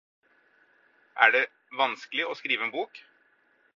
Er det vanskelig å skrive en bok?